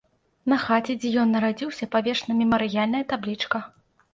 На хаце, дзе ён нарадзіўся, павешана мемарыяльная таблічка.